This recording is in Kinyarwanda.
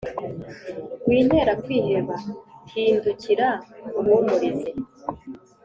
Wintera kwiheba hindukira nkuhumurize